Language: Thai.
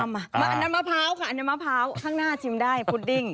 อันนั้นมะพร้าวค่ะอันนั้นมะพร้าวข้างหน้าชิมได้พุดดิ้ง